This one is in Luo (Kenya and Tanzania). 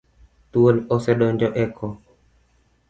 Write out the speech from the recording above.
Thuol ose donjo e ko.